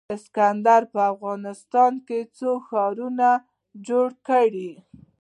اسکندر په افغانستان کې څو ښارونه جوړ کړل